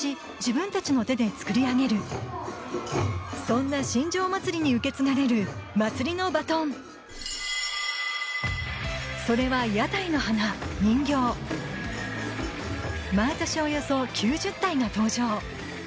そんな新庄まつりに受け継がれるまつりのバトンそれは山車の華人形毎年およそ９０体が登場